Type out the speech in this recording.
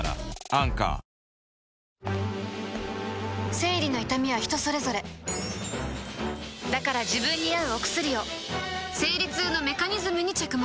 生理の痛みは人それぞれだから自分に合うお薬を生理痛のメカニズムに着目